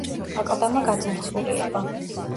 აკლდამა გაძარცვული იყო.